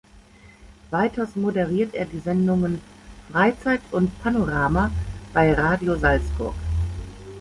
Weiters moderiert er die Sendungen „Freizeit“ und „Panorama“ bei Radio Salzburg.